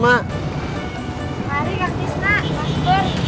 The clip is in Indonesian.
mari kak tisna mas pur